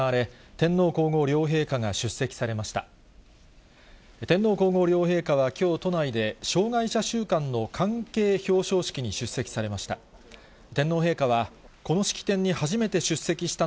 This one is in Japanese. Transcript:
天皇皇后両陛下は、きょう都内で、障害者週間の関係表彰式に出席されました。